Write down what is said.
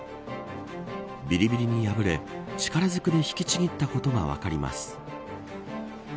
びりびりに破れ力ずくで引きちぎったことが分かります。